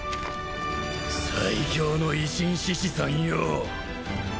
最強の維新志士さんよぉ。